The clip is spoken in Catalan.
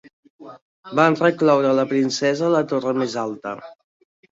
Van recloure la princesa a la torre més alta.